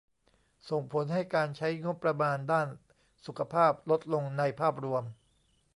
ส่งผลให้การใช้งบประมาณด้านสุขภาพลดลงในภาพรวม